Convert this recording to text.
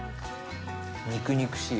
肉々しい。